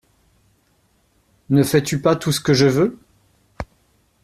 Ne fais-tu pas tout ce que je veux ?